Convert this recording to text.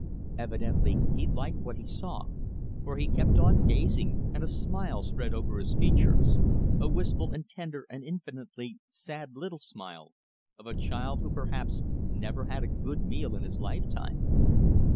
Evidently he liked what he saw, for he kept on gazing, and a smile spread over his features, a wistful and tender and infinitely sad little smile, of a child who perhaps never had a good meal in his lifetime.